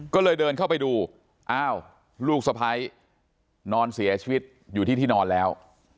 ก็เลยเดินเข้าไปดูอ้าวลูกสะพ้ายนอนเสียชีวิตอยู่ที่ที่นอนแล้ว